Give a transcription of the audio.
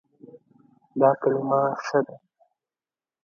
دا کلمه ښه ده